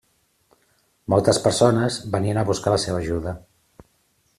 Moltes persones venien a buscar la seva ajuda.